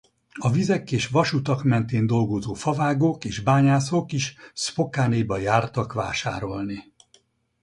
A vizek és vasutak mentén dolgozó favágók és bányászok is Spokane-be jártak vásárolni.